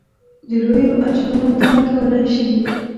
د لویو اجرونو تمه کولای شي.